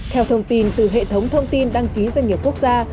theo thông tin từ hệ thống thông tin đăng ký doanh nghiệp quốc gia